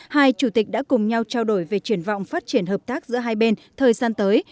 hai chủ tịch đã cùng nhau trao đổi về triển vọng phát triển hợp tác giữa hai bên thời gian tới